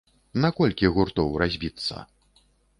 На колькі гуртоў разбіцца?